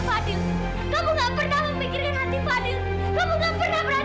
kamu gak pernah memikirkan hati fadil